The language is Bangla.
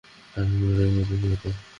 হারামী মরে গেলে কী হতো?